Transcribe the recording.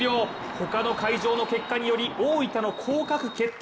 他の会場の結果により大分の降格決定。